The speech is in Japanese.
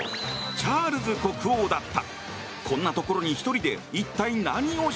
チャールズ国王だった！